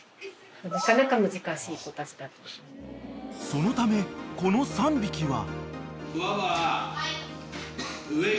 ［そのためこの３匹は］